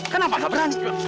kenapa gak berani